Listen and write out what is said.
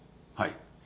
はい。